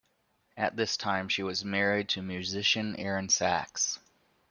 At this time she was married to musician Aaron Sachs.